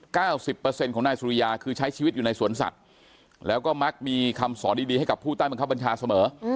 เก้าสิบเปอร์เซ็นต์ของนายสุริยาคือใช้ชีวิตอยู่ในสวนสัตว์แล้วก็มักมีคำสอนดีดีให้กับผู้ใต้บังคับบัญชาเสมอ